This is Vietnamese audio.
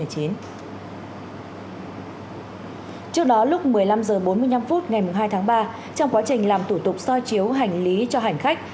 trước đó lúc một mươi năm h bốn mươi năm ngày hai tháng ba trong quá trình làm thủ tục soi chiếu hành lý cho hành khách